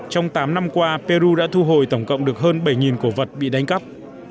trong tám năm qua peru đã thu hồi tổng cộng được hơn bảy cổ vật bị đánh cắp